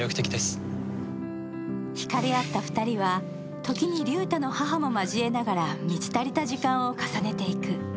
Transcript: ひかれ合った２人は時に龍太の母も交えながら満ち足りた時間を重ねていく。